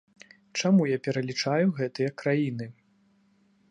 Чаму я пералічаю гэтыя краіны?